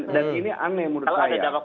dan ini aneh menurut saya